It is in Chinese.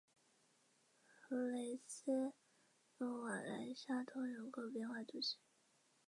弗雷斯努瓦莱沙托人口变化图示